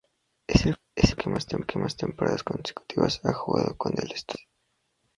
Es el jugador que más temporadas consecutivas ha jugado con el Estudiantes.